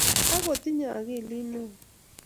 Ak kotinye akili neo